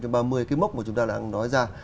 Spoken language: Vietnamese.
cái mốc mà chúng ta đã nói ra